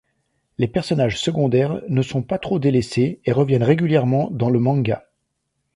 Les personnages secondaires ne sont pas trop délaissés et reviennent régulièrement dans le manga.